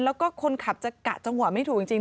แล้วก็คนขับจะกะจังหวะไม่ถูกจริง